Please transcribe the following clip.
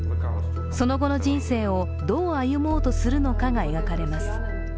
その後の人生をどう歩もうとするのかが描かれます。